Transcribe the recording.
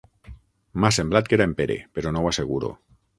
M'ha semblat que era en Pere, però no ho asseguro.